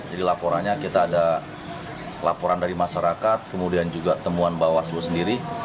jadi laporannya kita ada laporan dari masyarakat kemudian juga temuan bawah semua sendiri